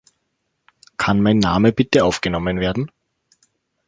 Kann mein Name bitte aufgenommen werden?